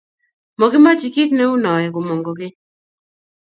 mokimoche kiit neuu noee komong kokeny